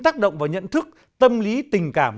tác động vào nhận thức tâm lý tình cảm